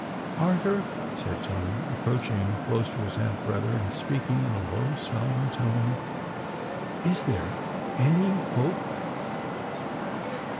"Arthur," said Tom, approaching close to his half brother, and speaking in a low solemn tone, "is there any hope?"